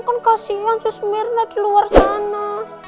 kan kasihan sus mirna di luar sana